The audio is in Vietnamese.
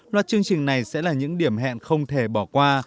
loạt chương trình này sẽ là những điểm hẹn không thể bỏ qua